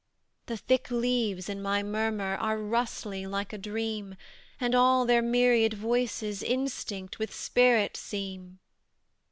"The thick leaves in my murmur Are rustling like a dream, And all their myriad voices Instinct with spirit seem."